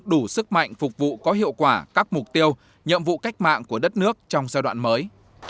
đủ sức mạnh phục vụ có hiệu quả các mục tiêu nhiệm vụ cách mạng của đất nước trong giai đoạn mới